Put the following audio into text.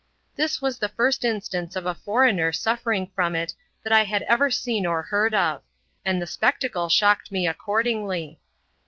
This was the first instance of a foreigner suffering, from it that I had ever seen or heard of; and the spectacle shocked me accordingly.